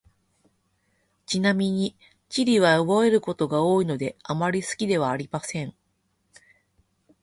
ちなみに、地理は覚えることが多いので、あまり好きではありません。